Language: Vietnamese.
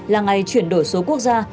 là ngày chuyển đổi số quốc gia